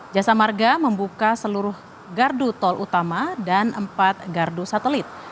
jasa marga membuka seluruh gardu tol utama dan empat gardu satelit